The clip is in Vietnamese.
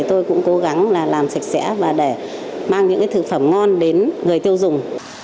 tôi cũng cố gắng làm sạch sẽ và để mang những thực phẩm ngon đến người tiêu dùng